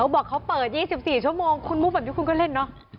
เขาบอกเขาเปิด๒๔ชั่วโมงคุณมุ่งแบบที่คุณก็เล่น